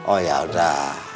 oh ya udah